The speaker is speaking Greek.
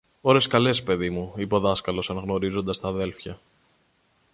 Ώρες καλές, παιδί μου, είπε ο δάσκαλος αναγνωρίζοντας τ' αδέλφια.